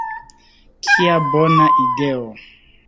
Kia bona ideo!